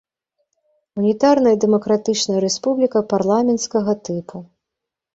Унітарная дэмакратычная рэспубліка парламенцкага тыпу.